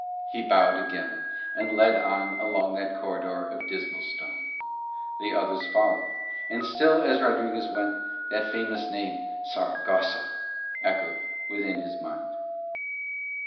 He bowed again and led on along that corridor of dismal stone. The others followed, and still as Rodriguez went that famous name Saragossa echoed within his mind.